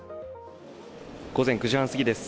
午前９時半すぎです